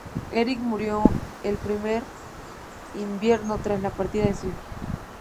Erik murió el primer invierno, tras la partida de su hijo.